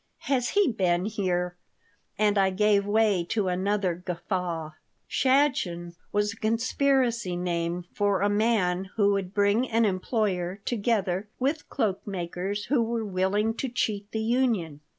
"Has he been here?" And I gave way to another guffaw Shadchen was a conspiracy name for a man who would bring an employer together with cloak makers who were willing to cheat the union.